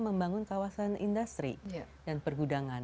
membangun kawasan industri dan pergudangan